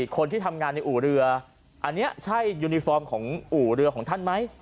คนที่ทำงานในอู่เรืออันนี้ใช่ยูนิฟอร์มของอู่เรือของท่านไหม